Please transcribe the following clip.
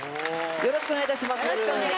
よろしくお願いします。